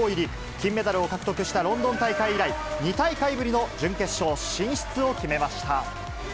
金メダルを獲得したロンドン大会以来、２大会ぶりの準決勝進出を決めました。